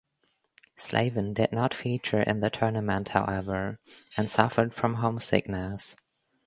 Slaven did not feature in the tournament however, and suffered from homesickness.